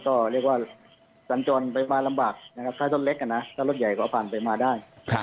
ก็เรียกว่าสัญจอลไข้ลดเล็กถ้ารถใหญ่ก็พันไปมาได้